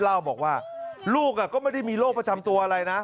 เล่าบอกว่าลูกก็ไม่ได้มีโรคประจำตัวอะไรนะ